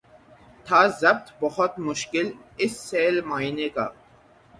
تھا ضبط بہت مشکل اس سیل معانی کا